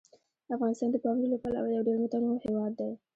افغانستان د پامیر له پلوه یو ډېر متنوع هیواد دی.